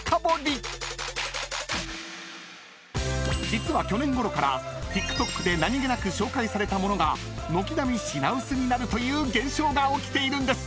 ［実は去年ごろからＴｉｋＴｏｋで何げなく紹介されたものが軒並み品薄になるという現象が起きているんです］